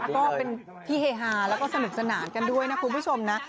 ก็เป็นที่เฮฮาแล้วก็สนุกสนานกันด้วยนะคุณผู้ชมนะ